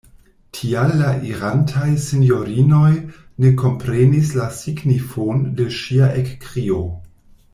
Tial la irantaj sinjorinoj ne komprenis la signifon de ŝia ekkrio.